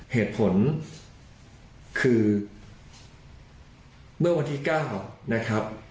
เหตุผลคือเมื่อวันที่๙นะครับ